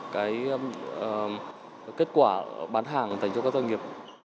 cái kết quả bán hàng dành cho các doanh nghiệp